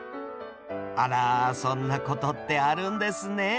あらそんなことってあるんですね。